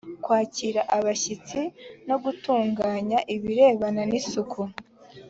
kwakira abashyitsi no gutunganya ibirebana n’isuku